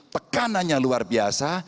tekanannya luar biasa